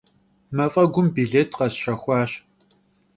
Maf'egum bilêt khesşexuaş.